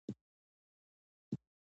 • ته لکه د سپین کاغذ پاک احساس یې.